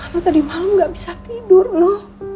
aku tadi malam gak bisa tidur no